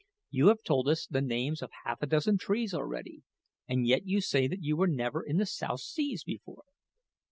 You have told us the names of half a dozen trees already, and yet you say that you were never in the South Seas before."